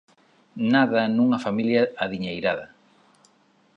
Nada nunha familia adiñeirada.